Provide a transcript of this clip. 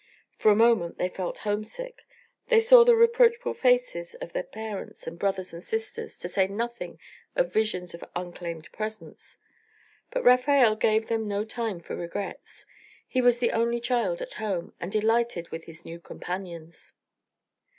For a moment they felt homesick. They saw the reproachful faces of their parents and brothers and sisters, to say nothing of visions of unclaimed presents. But Rafael gave them no time for regrets. He was the only child at home, and delighted with his new companions.